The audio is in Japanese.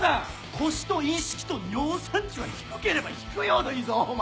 腰と意識と尿酸値は低ければ低いほどいいぞ！